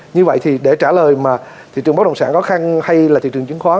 như vậy thì để trả lời mà thị trường bất động sản khó khăn hay là thị trường chứng khoán